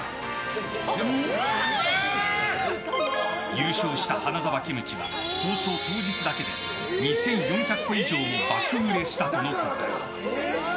優勝した花澤キムチは放送当日だけで２４００個以上も爆売れしたとのこと。